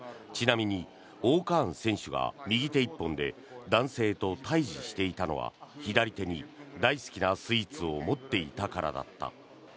ちなみに−Ｏ−カーン選手が右手一本で男性と対峙していたのは左手に大好きなスイーツを持っていたからだった。